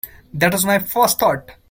That was my first thought.